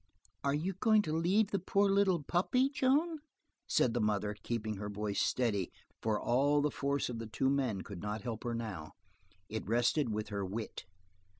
"Are you going to leave the poor little puppy, Joan?" said the mother, keeping her voice steady, for all the force of the two men could not help her now. It rested with her wit.